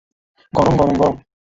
গরম গরম গরম!